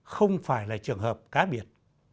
không phải là trường hợp cá biệt